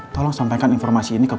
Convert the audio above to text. tolong sampaikan informasi ini ke pak